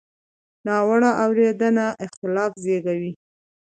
ناوړه اورېدنه اختلاف زېږوي.